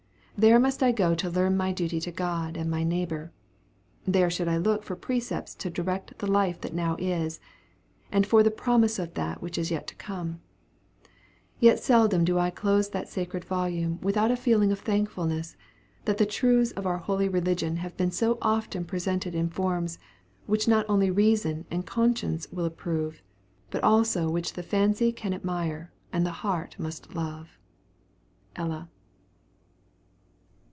There must I go to learn my duty to God and my neighbor. There should I look for precepts to direct the life that now is, and for the promise of that which is to come; yet seldom do I close that sacred volume without a feeling of thankfulness, that the truths of our holy religion have been so often presented in forms which not only reason and conscience will approve, but also which the fancy can admire and the heart must love. ELLA.